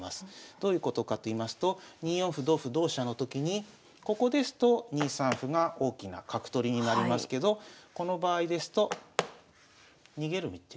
どういうことかといいますと２四歩同歩同飛車のときにここですと２三歩が大きな角取りになりますけどこの場合ですと逃げる道ができてますね。